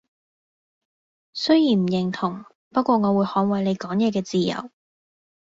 雖然唔認同，不過我會捍衛你講嘢嘅自由